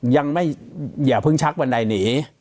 อย่าเพิ่งชักบันไดหนี